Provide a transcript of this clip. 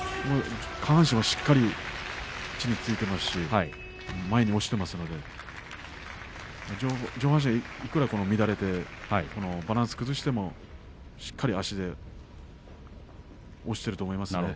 下半身がしっかり地に着いていましたし前に押していますので上半身が乱れてバランスを崩しても、しっかり足で押していると思います。